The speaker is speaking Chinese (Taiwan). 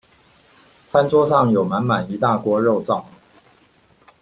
餐桌上有滿滿一大鍋肉燥